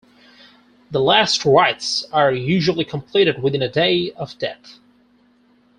The last rites are usually completed within a day of death.